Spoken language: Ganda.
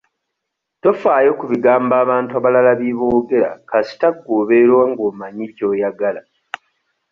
Tofaayo ku bigambo abantu abalala bye boogera kasita gwe obeera ng'omanyi ky'oyagala.